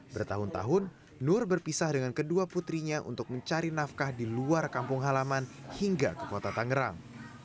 bertahun tahun nur berpisah dengan kedua putrinya untuk mencari nafkah di luar kampung halaman hingga ke kota tangerang